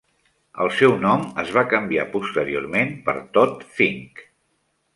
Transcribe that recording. El seu nom es va canviar posteriorment per Todd Fink.